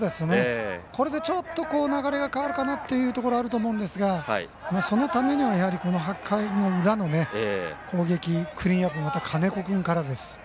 これでちょっと流れが変わるかなというところはあると思いますがそのためには８回の裏の攻撃クリーンナップはまた金子君からです。